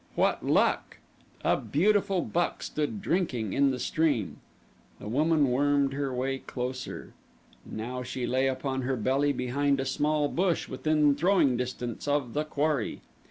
What luck! A beautiful buck stood drinking in the stream. The woman wormed her way closer. Now she lay upon her belly behind a small bush within throwing distance of the quarry.